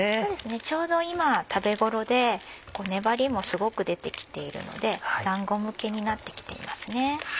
ちょうど今食べ頃で粘りもすごく出てきているのでだんご向きになってきていますね。